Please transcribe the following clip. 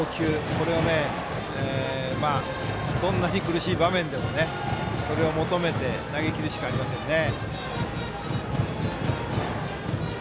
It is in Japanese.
これをどんなに苦しい場面でもそれを求めて投げきるしかありませんね。